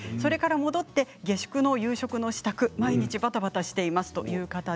戻って下宿の夕食の支度などバタバタしています。